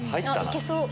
いけそう。